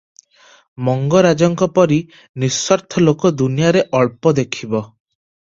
ମଙ୍ଗରାଜଙ୍କ ପରି ନିସ୍ୱାର୍ଥ ଲୋକ ଦୁନିଆରେ ଅଳ୍ପ ଦେଖିବ ।